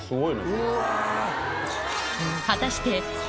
果たしてん！